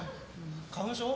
花粉症？